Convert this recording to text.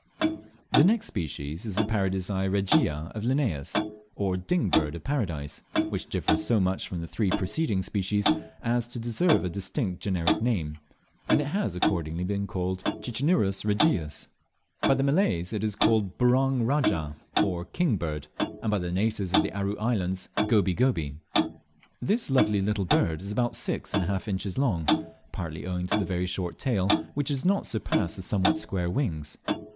The next species is the Paradisea regia of Linnaeus, or Ding Bird of Paradise, which differs so much from the three preceding species as to deserve a distinct generic name, and it has accordingly been called Cicinnurus regius. By the Malays it is called "Burong rajah," or King Bird, and by the natives of the Aru Islands "Goby goby." This lovely little bird is only about six and a half inches long, partly owing to the very short tail, which does not surpass the somewhat square wings.